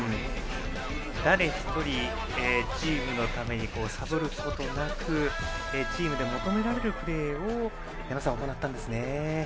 誰一人チームのためにサボることなくチームで求められるプレーを矢野さん、行ったんですね。